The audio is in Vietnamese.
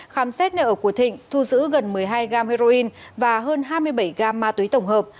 khám xét nợ của thịnh thu giữ gần một mươi hai gam heroin và hơn hai mươi bảy gam ma túy tổng hợp